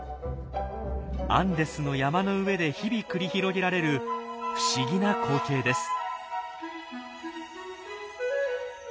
アンデスの山の上で日々繰り広げられる不思議な光景です。